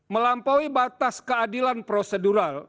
melampaui batas keadilan prosedural